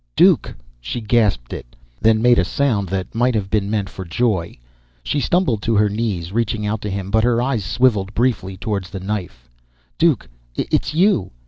"Duke!" She gasped it, then made a sound that might have been meant for joy. She stumbled to her knees, reaching out to him. But her eyes swiveled briefly toward the knife. "Duke, it's you!"